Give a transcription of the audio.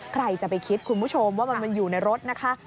ใครจะไปคิดคุณผู้ชมว่ามันอยู่ในรถนะคะ